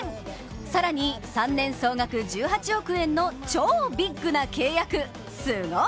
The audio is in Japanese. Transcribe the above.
更に３年総額１８億円の超ビッグな契約、すごい！